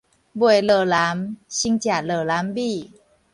未落南，先食落南米